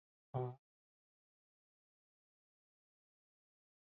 فعالي دسیسې پیل کړي وې.